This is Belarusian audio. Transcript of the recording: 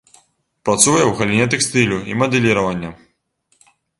Працуе ў галіне тэкстылю і мадэліравання.